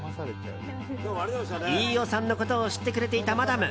飯尾さんのことを知ってくれていたマダム。